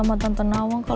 waktunya gue caps